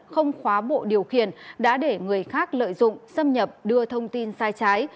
không khóa bộ điều khiển đã để người khác lợi dụng xâm nhập đưa thông tin sai trái